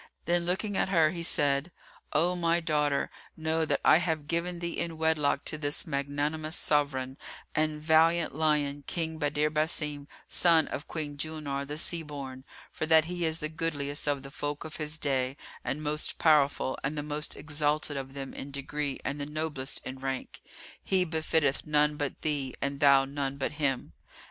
Then looking at her he said, "O my daughter, know that I have given thee in wedlock to this magnanimous Sovran, and valiant lion King Badr Basim, son of Queen Julnar the Sea born, for that he is the goodliest of the folk of his day and most powerful and the most exalted of them in degree and the noblest in rank; he befitteth none but thee and thou none but him."